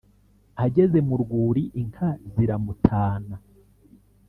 Ageze mu rwuri inka ziramutana